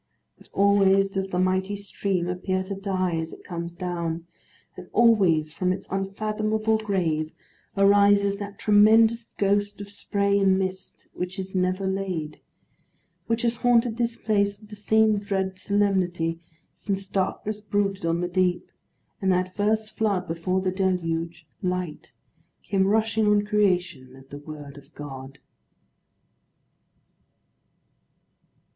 But always does the mighty stream appear to die as it comes down, and always from its unfathomable grave arises that tremendous ghost of spray and mist which is never laid: which has haunted this place with the same dread solemnity since Darkness brooded on the deep, and that first flood before the Deluge—Light—came rushing on Creation at the word of God.